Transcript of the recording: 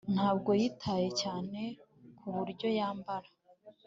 ntabwo yitaye cyane kuburyo yambara